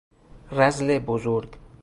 رذل بزرگ